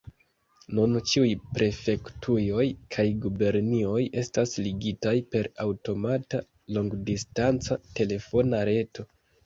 Nun ĉiuj prefektujoj kaj gubernioj estas ligitaj per aŭtomata longdistanca telefona reto.